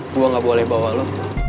gua ga boleh bawa lu